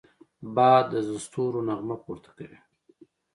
باد د ستورو نغمه پورته کوي